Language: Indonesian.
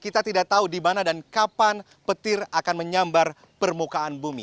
kita tidak tahu di mana dan kapan petir akan menyambar permukaan bumi